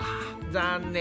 残念！